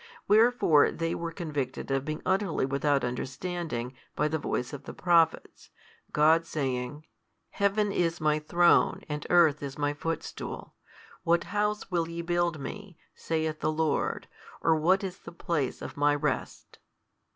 Wherefore they were convicted of being utterly without understanding, by the voice of the Prophets, God saying, Heaven is My Throne and earth is My Footstool, what house will ye build Me, saith the Lord, or what is the place of My rest?